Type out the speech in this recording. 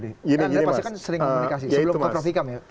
karena anda pasti kan sering komunikasi sebelum ke prof ikam ya